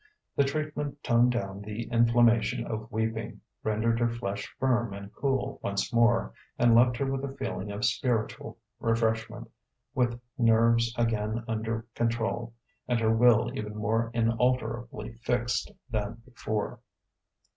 The treatment toned down the inflammation of weeping, rendered her flesh firm and cool once more, and left her with a feeling of spiritual refreshment, with nerves again under control and her will even more inalterably fixed than before.